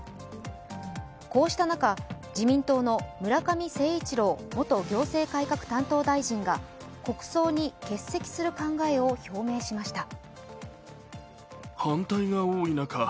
こうした中、自民党の村上誠一郎元行政改革担当大臣が国葬に欠席する考えを表明しました。